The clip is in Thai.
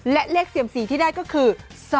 และเลขเซียมซีที่ได้ก็คือ๒๕๖